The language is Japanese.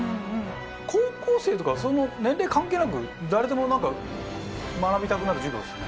高校生とかその年齢関係なく誰でも何か学びたくなる授業ですね。